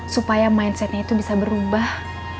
supaya mindsetnya itu bisa berubah